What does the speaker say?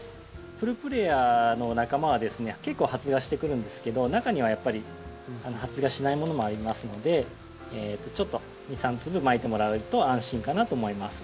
プルプレアの仲間はですね結構発芽してくるんですけど中にはやっぱり発芽しないものもありますのでちょっと２３粒まいてもらえると安心かなと思います。